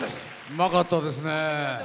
うまかったですね。